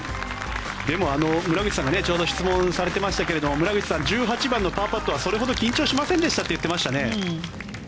でも村口さんが質問されていましたが１８番のパーパットはそれほど緊張していませんでしたと言っていましたね。